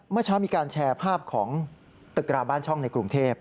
เมื่อเช้ามีการแชร์ภาพของตึกราบ้านช่องในกรุงเทพ